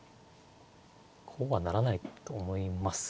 こうはならないと思います。